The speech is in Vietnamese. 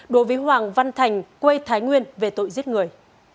đối với hoàng văn thành quê thái nguyên về tội giết người